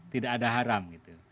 tidak ada haram